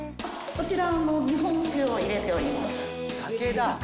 こちらは日本酒を入れております。